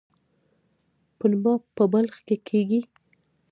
پنبه په بلخ کې کیږي